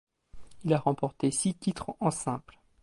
Il a remporté six titres en simple.